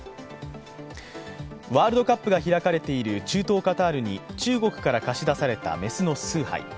ワールドカップが開かれている中東・カタールに、中国から貸し出された雌のスーハイ。